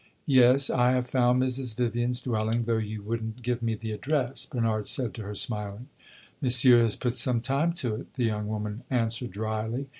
"You see I have found Mrs. Vivian's dwelling, though you would n't give me the address," Bernard said to her, smiling. "Monsieur has put some time to it!" the young woman answered dryly.